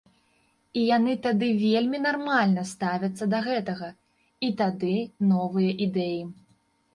І яны тады вельмі нармальна ставяцца да гэтага, і тады новыя ідэі.